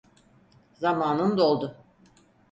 Zamanın doldu.